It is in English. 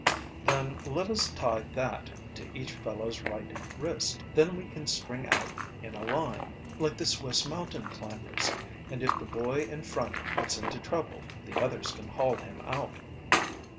"Then let us tie that to each fellow's right wrist. Then we can string out in a line, like the Swiss mountain climbers, and if the boy in front gets into trouble the others can haul him out."